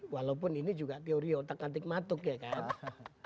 walaupun ini juga teori otak antikmatuk ya kan